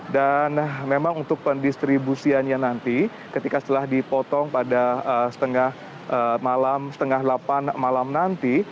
dan memang untuk pendistribusiannya nanti ketika setelah dipotong pada setengah malam setengah delapan malam nanti